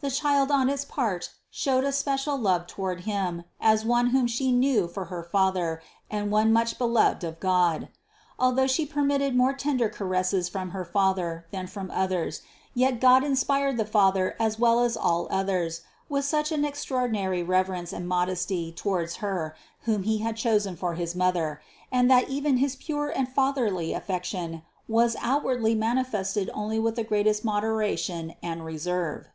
The Child on its part showed a special love toward him, as one whom She knew for her father and one much beloved of God. Although She permitted more tender caresses from her father than from others, yet God inspired the father as well as all others, with such an extraordinary rever ence and modesty towards Her whom He had chosen for his Mother, that even his pure and fatherly affection was outwardly manifested only with the greatest moderation and reserve.